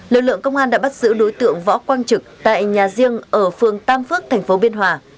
lực lượng công an đã bắt giữ đối tượng võ quang trực tại nhà riêng ở phường tam phước thành phố biên hòa